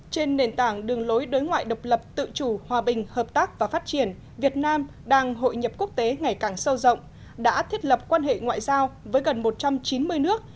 trên nền tảng đường lối đối ngoại độc lập tự chủ hòa bình hợp tác và phát triển việt nam đang hội nhập quốc tế ngày càng sâu rộng đã thiết lập quan hệ ngoại giao với gần một trăm chín mươi nước